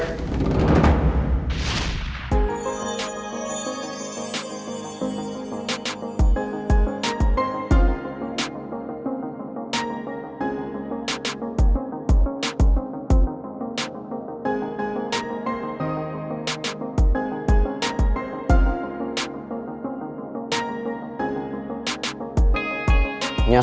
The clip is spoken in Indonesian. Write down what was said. kenapa gue bisa abis abisnya udah